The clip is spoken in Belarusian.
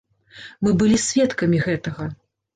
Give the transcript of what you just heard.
Мы былі сведкамі гэтага.